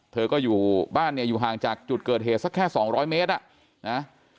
เธอก็อยู่บ้านเนี่ยอยู่ห่างจากจุดเกิดเหตุสักแค่๒๐๐เมตรอ่ะนะ